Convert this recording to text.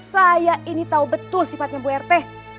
saya ini tahu betul sifatnya bu rt